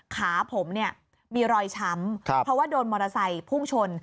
ขาผมเนี่ยมีรอยช้ำเพราะว่าโดนมอเตอร์ไซค์พุ่งชน